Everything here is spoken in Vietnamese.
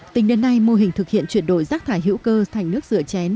tính đến nay mô hình thực hiện chuyển đổi rác thải hữu cơ thành nước rửa chén